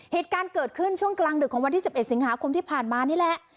เหตุการณ์เกิดขึ้นช่วงกลางดึกของวันที่๑๑สิงหาคมที่ผ่านมานี่แหละ